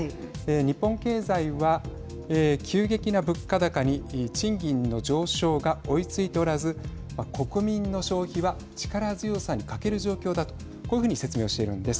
日本経済は急激な物価高に賃金の上昇が追いついておらず国民の消費は力強さに欠ける状況だとこういうふうに説明をしてるんです。